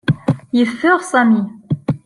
Yeffeɣ Sami.